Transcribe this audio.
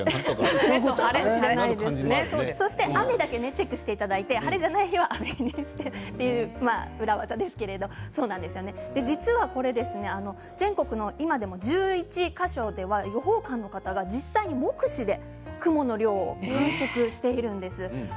そして雨だけチェックしていただいて晴れじゃない日は雨という裏技なんですけれども実はこれ全国の今でも１１か所では予報官の方が実際に目視で雲の量を観測しているんです。